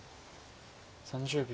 ３０秒。